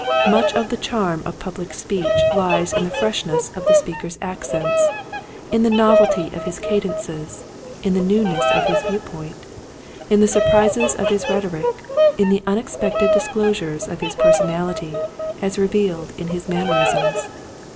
Much of the charm of public speech lies in the freshness of the speaker's accents, in the novelty of his cadences, in the newness of his view point, in the surprises of his rhetoric, in the unexpected disclosures of his personality as revealed in his maner isms.